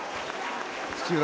土浦